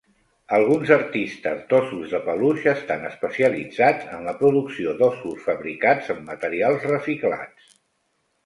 Alguns artistes d'ossos de peluix estan especialitzats en la producció d'ossos fabricats amb materials reciclats.